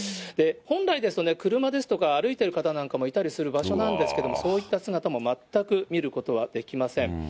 本来ですとね、車ですとか、歩いてる方もいたりする場所なんですけれども、そういった姿も全く見ることはできません。